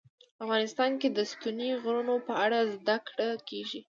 افغانستان کې د ستوني غرونه په اړه زده کړه کېږي.